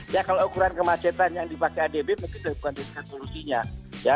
ya kalau ukuran kemacetan yang dipakai adb mungkin itu bukan diskret polusinya